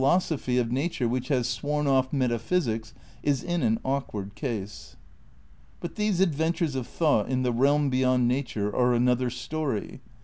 86 THE NEW IDEALISM m ophy of nature whioli has sworn off metaphysics is in an awkward case. But these adventures of thought in the reahn beyond nature are another story.